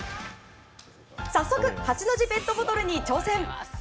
早速、８の字ペットボトルに挑戦。